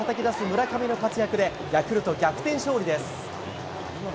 村上の活躍で、ヤクルト、逆転勝利です。